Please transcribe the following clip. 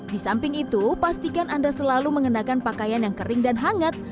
di samping itu pastikan anda selalu mengenakan pakaian yang kering dan hangat